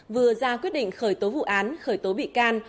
vừa ra quyết định khởi tố vụ án khởi tố bị can